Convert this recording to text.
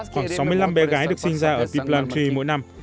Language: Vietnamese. khoảng sáu mươi năm bé gái được sinh ra ở tip landry mỗi năm